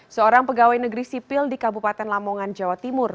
seorang pegawai negeri sipil di kabupaten lamongan jawa timur